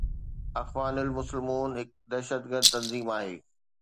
اخوان المسلمون هڪ دهشتگرد تنظيم آهي